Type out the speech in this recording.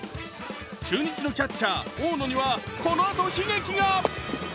中日のキャッチャー・大野にはこのあと悲劇が。